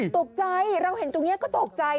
ตกใจเราเห็นตรงนี้ก็ตกใจ